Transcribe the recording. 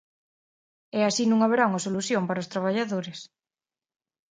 E así non haberá unha solución para os traballadores.